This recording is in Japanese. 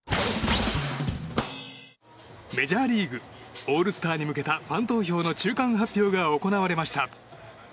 メジャーリーグオールスターに向けたファン投票の中間発表が行われました。